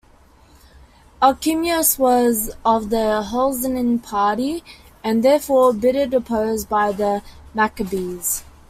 Alcimus was of the Hellenizing party, and therefore bitterly opposed by the Maccabees.